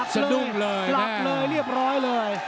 สนุกเลยกลับเลยเรียบร้อยเลย